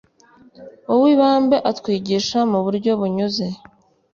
Uwibambe atwigisha mu buryo bunyuze